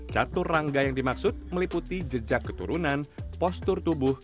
catur rangga yang dimaksud meliputi jejak keturunan postur tubuh